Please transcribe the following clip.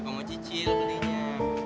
kamu cicil belinya